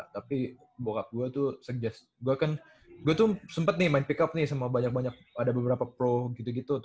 tapi bokap gua tuh suggest gua kan gua tuh sempet nih main pick up nih sama banyak banyak ada beberapa pro gitu gitu